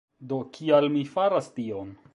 Do kial mi faras tion?